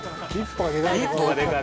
一歩がでかい。